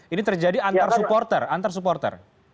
ini terjadi antar supporter